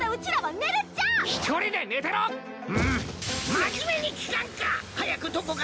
真面目に聞かんか！